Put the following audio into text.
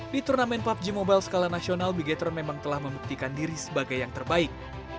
di turnamen pubg mobile skala nasional beater memang telah membuktikan diri sebagai yang terbaik